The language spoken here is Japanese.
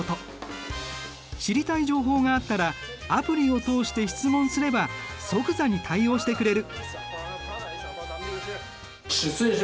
知りたい情報があったらアプリを通して質問すれば即座に対応してくれる。